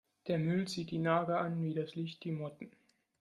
Der Müll zieht die Nager an wie das Licht die Motten.